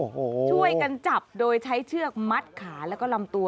โอ้โหช่วยกันจับโดยใช้เชือกมัดขาแล้วก็ลำตัว